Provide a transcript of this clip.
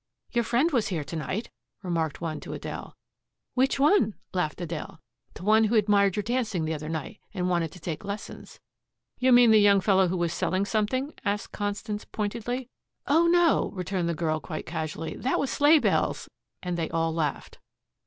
"Your friend was here to night," remarked one to Adele. "Which one?" laughed Adele. "The one who admired your dancing the other night and wanted to take lessons." "You mean the young fellow who was selling something?" asked Constance pointedly. "Oh, no," returned the girl quite casually. "That was Sleighbells," and they all laughed.